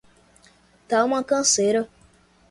Tá uma canseira